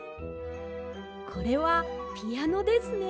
これはピアノですね。